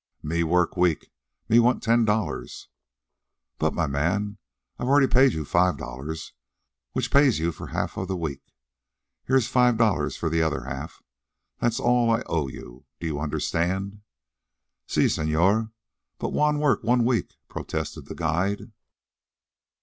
"Me work week. Me want ten dollars." "But, my man, I've already paid you five dollars, which pays you for half of the week. Here is the five dollars for the other half. That's all I owe you. Do you understand?" "Si señor. But Juan work one week," protested the guide.